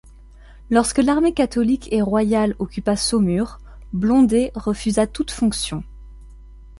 Lorsque l'armée catholique et royale occupa Saumur, Blondé refusa toutes fonctions.